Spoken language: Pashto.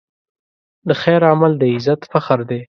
د خیر عمل د عزت فخر دی.